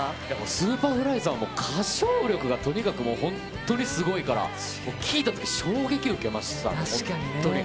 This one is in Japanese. Ｓｕｐｅｒｆｌｙさんは、歌唱力がとにかくもう、本当にすごいから、聴いたとき衝撃受けましたね、本当に。